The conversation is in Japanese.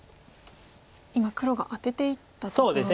今黒がアテていったところです。